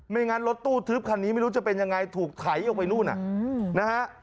งั้นรถตู้ทึบคันนี้ไม่รู้จะเป็นยังไงถูกไถออกไปนู่นนะฮะ